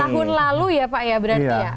tahun lalu ya pak ya berarti ya